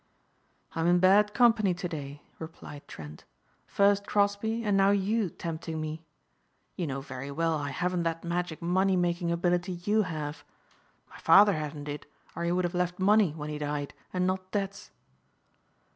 "I'm in bad company to day," replied Trent. "First Crosbeigh and now you tempting me. You know very well I haven't that magic money making ability you have. My father hadn't it or he would have left money when he died and not debts."